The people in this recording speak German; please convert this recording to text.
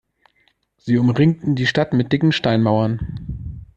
Sie umringten die Stadt mit dicken Steinmauern.